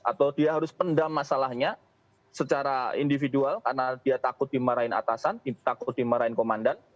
atau dia harus pendam masalahnya secara individual karena dia takut dimarahin atasan takut dimarahin komandan